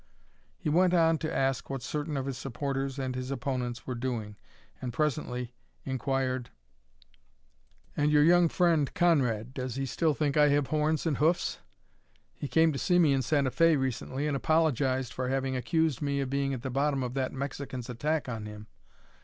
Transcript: He went on to ask what certain of his supporters and his opponents were doing, and presently inquired: "And your young friend Conrad does he still think I have horns and hoofs? He came to see me in Santa Fe recently, and apologized for having accused me of being at the bottom of that Mexican's attack on him.